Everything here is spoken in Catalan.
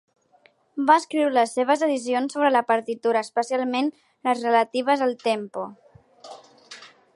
Va escriure les seves decisions sobre la partitura, especialment les relatives al tempo.